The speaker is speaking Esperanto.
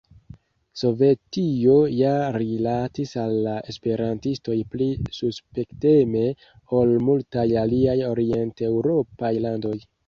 Sovetio ja rilatis al la esperantistoj pli suspekteme ol multaj aliaj orienteŭropaj landoj.